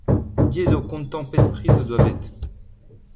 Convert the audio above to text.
Diaes eo kontañ pet priz o doa bet !